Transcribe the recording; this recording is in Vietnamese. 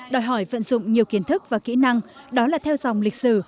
đòi hỏi vận dụng nhiều kiến thức và kỹ năng đó là theo dòng lịch sử